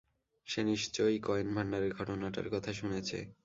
সে নিশ্চয়ই কয়েন ভান্ডারের ঘটনাটার কথা শুনেছে।